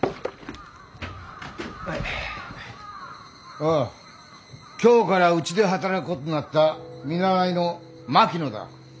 おう今日からうちで働くことになった見習いの槙野だ。